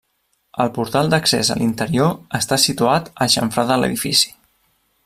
El portal d'accés a l'interior està situat al xamfrà de l'edifici.